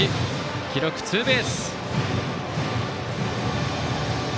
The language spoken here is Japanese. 記録はツーベース。